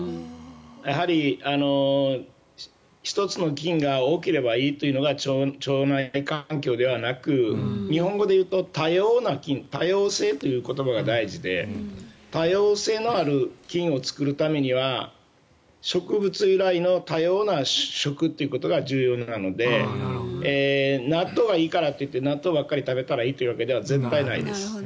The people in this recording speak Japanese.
１つの菌が多ければいいというのが腸内環境ではなく日本語で言うと多様な菌多様性という言葉が大事で多様性のある菌を作るためには植物由来の多様な食ということが重要なので納豆がいいからといって納豆ばっかり食べたらいいということでは絶対にないです。